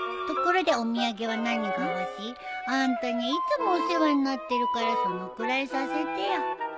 ところでお土産は何が欲しい？あんたにゃいつもお世話になってるからそのくらいさせてよ。